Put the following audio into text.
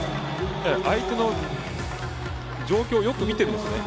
相手の状況をよく見てるんですね。